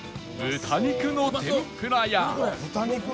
豚肉の天ぷら？